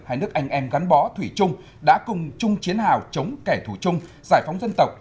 hai nước anh em gắn bó thủy chung đã cùng chung chiến hào chống kẻ thù chung giải phóng dân tộc